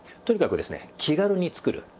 とにかくですね気軽に作る。